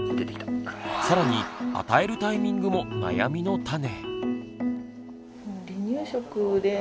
さらに与えるタイミングも悩みの種。